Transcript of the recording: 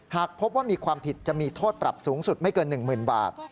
หากพบว่ามีความผิดจะมีโทษปรับสูงสุดไม่เกิน๑๐๐๐บาท